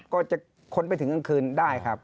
ก็จะค้นไปถึงกลางคืนได้ครับ